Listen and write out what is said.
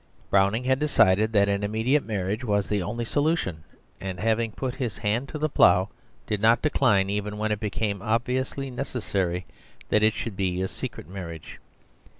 Browning had decided that an immediate marriage was the only solution; and having put his hand to the plough, did not decline even when it became obviously necessary that it should be a secret marriage.